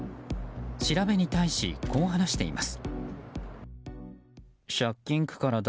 調べに対し、こう話しています。